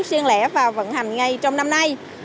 xiên lẻ vào vận hành ngay trong năm nay